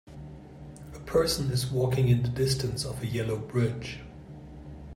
A person is walking in the distance of a yellow bridge.